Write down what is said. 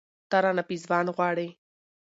، ته رانه پېزوان غواړې